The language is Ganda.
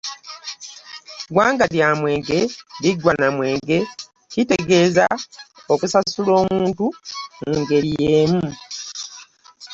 Ggwanga lya mwenge liggwa na mwenge kitegeeza okusasula omuntu mu ngeri y’emu.